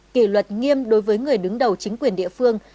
kỷ luật nghiêm đối với người đứng đầu chính quyền địa phương